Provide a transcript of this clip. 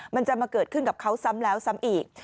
มันจะมาเกิดขึ้นกับเขาซ้ำแล้วซ้ำอีก